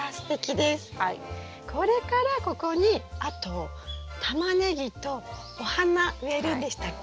これからここにあとタマネギとお花植えるんでしたっけ？